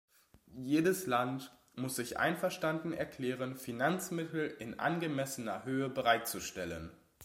Jedes Land muss sich einverstanden erklären, Finanzmittel in angemessener Höhe bereitzustellen.